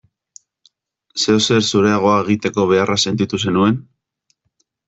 Zeozer zureagoa egiteko beharra sentitu zenuen?